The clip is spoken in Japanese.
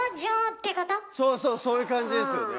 そうそうそういう感じですよね。